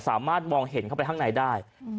สามารถมองเห็นเข้าไปข้างในได้